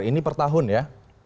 ini per tahun ya